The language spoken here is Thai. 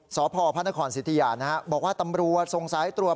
สพพศิษฐียาบอกว่าตำรวจส่งสายตรวจ